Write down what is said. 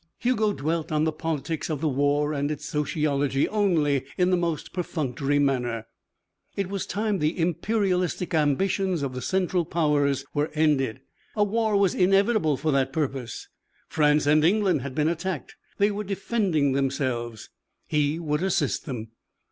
Hugo dwelt on the politics of the war and its sociology only in the most perfunctory manner. It was time the imperialistic ambitions of the Central Powers were ended. A war was inevitable for that purpose. France and England had been attacked. They were defending themselves. He would assist them.